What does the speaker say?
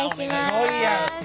すごいやんか。